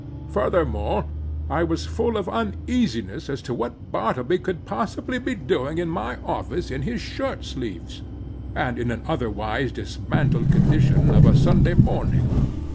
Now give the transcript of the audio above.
Furthermore, I was full of uneasiness as to what Bartleby could possibly be doing in my office in his shirt sleeves, and in an otherwise dismantled condition of a Sunday morning.